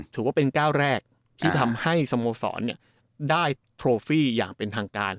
ถือว่าเป็นก้าวแรกที่ทำให้สโมสรได้โทรฟี่อย่างเป็นทางการ